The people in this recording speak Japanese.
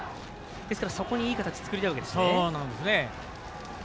ですから、そこにいい形、作りたいわけですね。